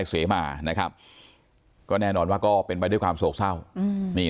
เสมานะครับก็แน่นอนว่าก็เป็นไปด้วยความโศกเศร้านี่